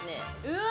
うわ！